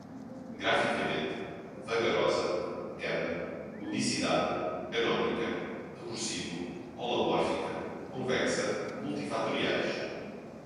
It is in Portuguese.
graficamente, vagarosa, gama, unicidade, canônica, recursivo, holomórfica, convexa, multifatoriais